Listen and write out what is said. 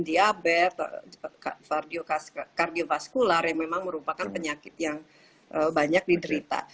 diabetes kardiofaskular yang memang merupakan penyakit yang banyak diderita